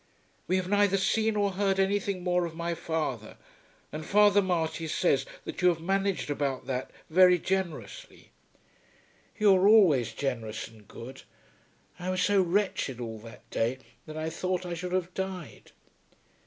We have neither seen or heard anything more of my father, and Father Marty says that you have managed about that very generously. You are always generous and good. I was so wretched all that day, that I thought I should have died.